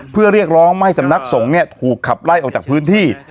เพื่อเรียกร้องไม่สำนักสงฆ์เนี่ยถูกขับไล่ออกจากพื้นที่